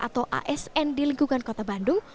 atau asn di lingkungan kota bandung